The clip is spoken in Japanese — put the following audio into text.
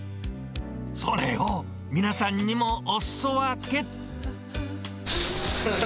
それを皆さんにもおすそ分け。